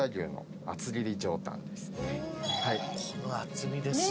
この厚みですよ。